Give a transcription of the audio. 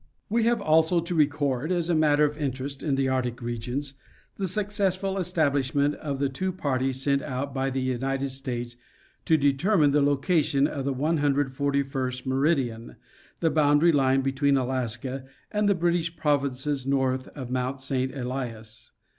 We have also to record as a matter of interest in the Arctic re gion, the successful establishment of the two parties sent out by the United States to determine the location of the 141st meridian, the boundary line between Alaska and the British Provinces north of Mt. St. Elias.